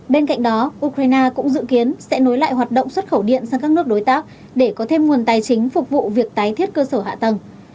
bên cạnh đó ukraine cũng dự kiến sẽ nối lại hoạt động xuất khẩu điện sang các nước đối tác để có thêm nguồn tài chính phục vụ việc tái thiết cơ sở hạ tầng